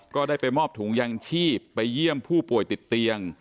ก็ได้ไปมอบถุงยางชีพไปเยี่ยมผู้ป่วยติดเตียง